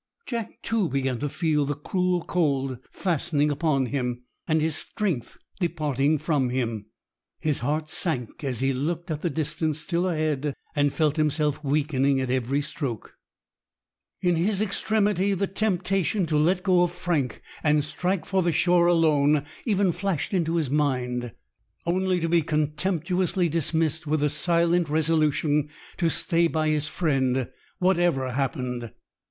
Jack, too, began to feel the cruel cold fastening upon him, and his strength departing from him. His heart sank as he looked at the distance still ahead, and felt himself weakening at every stroke. In his extremity, the temptation to let go of Frank, and strike for the shore alone, even flashed into his mind, only to be contemptuously dismissed with the silent resolution to stay by his friend whatever happened.